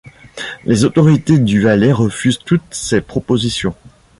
Les autorités du Valais refusent toutes ces propositions.